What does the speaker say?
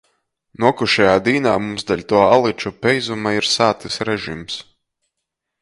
Nuokušajā dīnā mums deļ tuo aliču peizuma ir sātys režims.